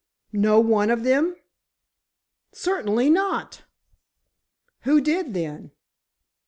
"No one of them?" "Certainly not." "Who did, then?"